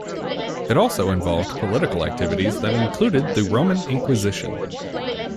It also involved political activities that included the Roman Inquisition.